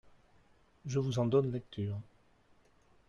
Je vous en donne lecture.